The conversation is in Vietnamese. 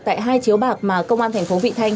tại hai chiếu bạc mà công an thành phố vị thanh